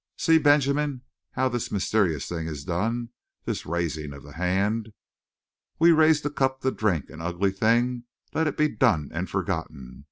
"See, Benjamin, how this mysterious thing is done, this raising of the hand. We raise the cup to drink. An ugly thing let it be done and forgotten.